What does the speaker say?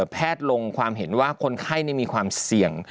ลงความเห็นว่าคนไข้มีความเสี่ยง